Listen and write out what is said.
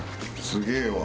すげえわ。